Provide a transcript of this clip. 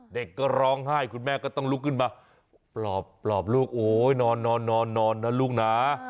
เด็กก็ร้องไห้คุณแม่ก็ต้องลุกขึ้นมาปลอบลูกโอ๊ยนอนนะลูกนะ